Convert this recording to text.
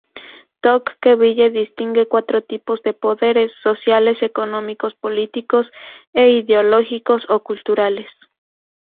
Tocqueville distingue cuatro tipos de poderes: sociales, económicos, políticos e ideológicos o culturales.